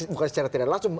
bukan secara tidak langsung